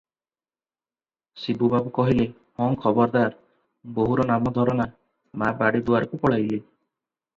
ଶିବୁବାବୁ କହିଲେ, "ହଁ ଖବରଦାର, ବୋହୂ ନାମ ଧର ନା!" ମା ବାଡ଼ି ଦୁଆରକୁ ପଳାଇଲେ ।